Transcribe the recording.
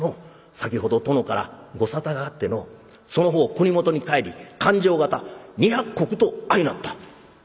先ほど殿から御沙汰があってのうその方国元に帰り勘定方二百石と相なった」。